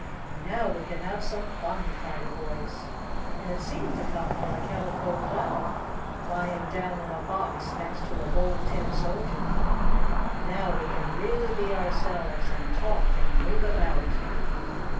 "Now we can have some fun!" cried a voice, and it seemed to come from a Calico Clown, lying down in a box next to a Bold Tin Soldier. "Now we can really be ourselves, and talk and move about."